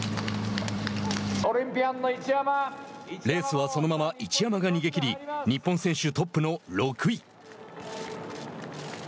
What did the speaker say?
レースはそのまま一山が逃げ切り日本選手トップの６位。